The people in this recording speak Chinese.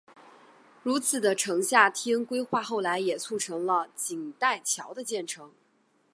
如此的城下町规划后来也促成了锦带桥的建成。